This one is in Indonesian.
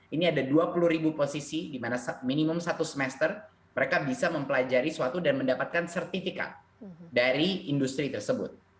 ini ada dua puluh ribu posisi di mana minimum satu semester mereka bisa mempelajari suatu dan mendapatkan sertifikat dari industri tersebut